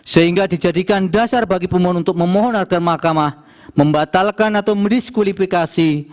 sehingga dijadikan dasar bagi pemohon untuk memohon agar mahkamah membatalkan atau mendiskualifikasi